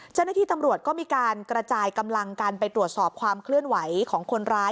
เจ้าหน้าที่ตำรวจก็มีการกระจายกำลังกันไปตรวจสอบความเคลื่อนไหวของคนร้าย